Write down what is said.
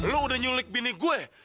lo udah nyulik bini gue